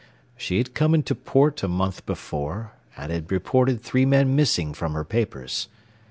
She had come into port a month before and had reported three men missing from her papers.